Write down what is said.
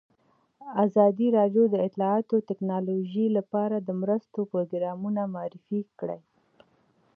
ازادي راډیو د اطلاعاتی تکنالوژي لپاره د مرستو پروګرامونه معرفي کړي.